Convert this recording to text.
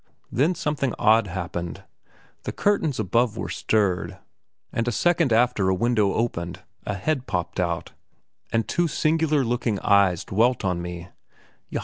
Then something odd happened. The curtains above were stirred, and a second after a window opened, a head popped out, and two singular looking eyes dwelt on me.